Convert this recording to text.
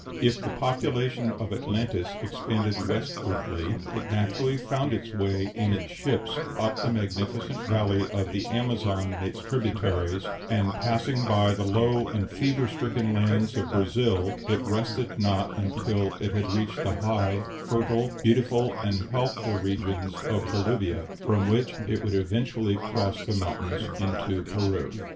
If the population of Atlantis expanded westwardly, it naturally found its way in its ships up the magnificent valley of the Amazon and its tributaries; and, passing by the low and fever stricken lands of Brazil, it rested not until it had reached the high, fertile, beautiful, and healthful regions of Bolivia, from which it would eventually cross the mountains into Peru.